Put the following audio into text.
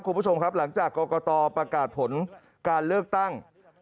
คุณผู้ชมครับหลังจากกรกตประกาศผลการเลือกตั้ง